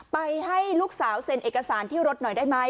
ไปให้ลูกสาวเซ็นเอกสารที่รถหน่อยได้ไหม